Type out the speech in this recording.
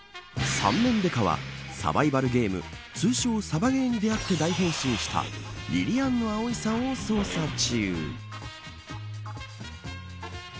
三面刑事はサバイバルゲーム通称、サバゲーに出合って大変身したりりあんぬ葵さんを捜査中。